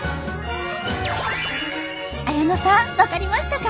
綾乃さん分かりましたか？